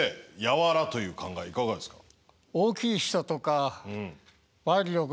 柔という考えいかがですか？